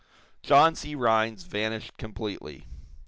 John C. Rhinds vanished completely.